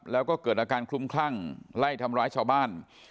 แล้วก็เกิดอาการคลุ้มคลั่งไล่ทำร้ายชาวบ้าน